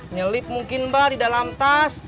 nyelip mungkin mbak di dalam tas